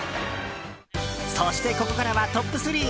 そして、ここからはトップ３！